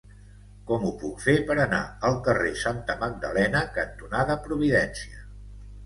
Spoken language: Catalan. Com ho puc fer per anar al carrer Santa Magdalena cantonada Providència?